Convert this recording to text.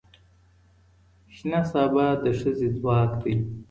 شنه سابه د ښځې ځواک دی